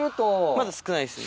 まだ少ないですね。